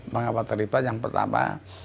mengapa terlibat yang pertama